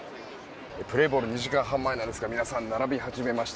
プレーボール２時間半前なんですが皆さん、並び始めました。